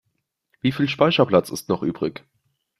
Wie viel Speicherplatz ist noch übrig?